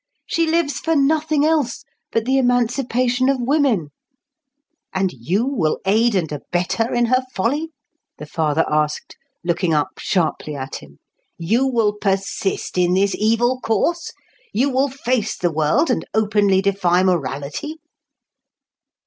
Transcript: She lives for nothing else but the emancipation of women." "And you will aid and abet her in her folly?" the father asked, looking up sharply at him. "You will persist in this evil course? You will face the world and openly defy morality?"